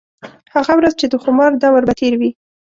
هغه ورځ چې د خومار دَور به تېر وي